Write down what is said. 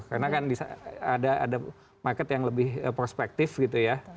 karena kan ada market yang lebih prospektif gitu ya